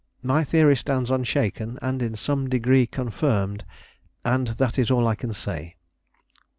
My theory stands unshaken, and in some degree confirmed; and that is all I can say."